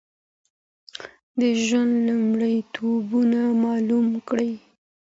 د ژوند لومړيتوبونه معلوم کړئ